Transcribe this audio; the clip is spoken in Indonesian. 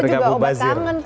itu juga obat tangan tuh reza